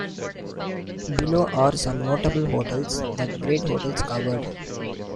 Below are some notable hotels that "Great Hotels" covered.